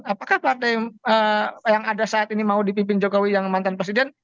apakah partai yang ada saat ini mau dipimpin jokowi yang mantan presiden